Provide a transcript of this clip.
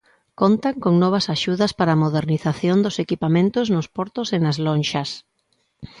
Contan con novas axudas para a modernización dos equipamentos nos portos e nas lonxas.